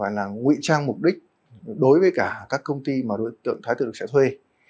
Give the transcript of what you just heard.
vậy là nguy trang mục đích đối với các công ty đối tượng thái tự lực sản xuất gỗ